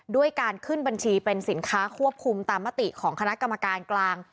ด้วยการขึ้นบัญชีเป็นสินค้าควบคุมตามมติของคณะกรรมการกลาง